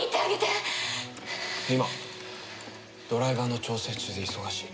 今ドライバーの調整中で忙しい。